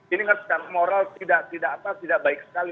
ini cacat moral tidak baik sekali